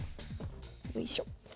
よいしょ。